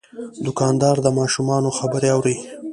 دوکاندار د ماشومانو خبرې اوري.